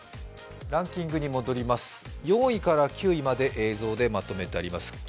ランキングに戻ります、４位から９位まで映像でまとめてあります。